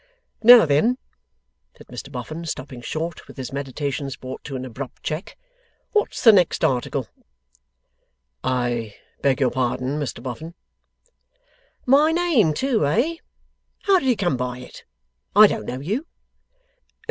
'Now then?' said Mr Boffin, stopping short, with his meditations brought to an abrupt check, 'what's the next article?' 'I beg your pardon, Mr Boffin.' 'My name too, eh? How did you come by it? I don't know you.